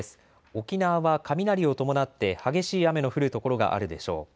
沖縄は雷を伴って激しい雨の降る所があるでしょう。